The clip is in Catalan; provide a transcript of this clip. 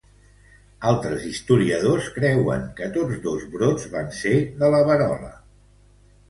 Altres historiadors creuen que tots dos brots van ser de la verola.